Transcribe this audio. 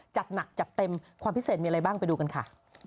จัดหนักจัดเต็มความพิเศษมีอะไรบ้างไปดูกันค่ะ